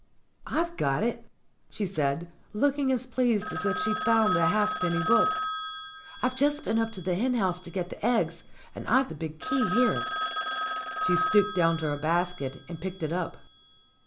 "I've got it," she said, looking as pleased as if she'd found a halfpenny book. "I've just been up to the hen house to get the eggs, and I've the big key here." She stooped down to her basket and picked it up.